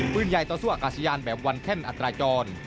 ปืนใหญ่ต่อสู้อากาศยานแบบวันแท่นอัตราจร